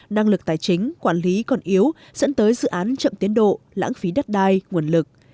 năng lực tài chính quản lý còn yếu dẫn tới dự án chậm tiến độ lãng phí đất đai nguồn lực